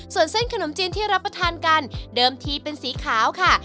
ส่วนเส้นขนมจีนที่รับประทานกันเดิมทีเป็นสีขาวค่ะ